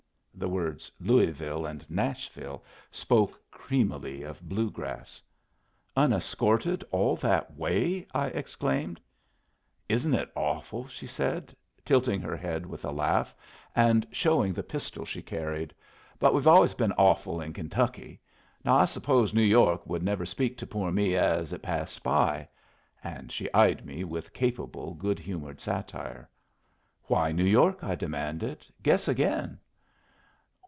The words "Louisville and Nashville" spoke creamily of Blue grass. "Unescorted all that way!" I exclaimed. "Isn't it awful?" said she, tilting her head with a laugh, and showing the pistol she carried. "But we've always been awful in Kentucky. Now I suppose New York would never speak to poor me as it passed by?" And she eyed me with capable, good humored satire. "Why New York?" I demanded. "Guess again."